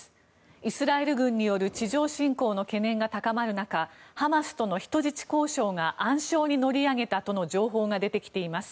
イスラエル軍による地上侵攻の懸念が高まる中ハマスとの人質交渉が暗礁に乗り上げたとの情報が出てきています。